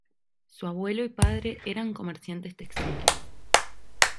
Su abuelo y padre eran comerciantes textiles.